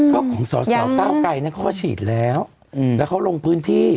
ก็ของสอสอก้าวไกรเขาก็ฉีดแล้วแล้วเขาลงพื้นที่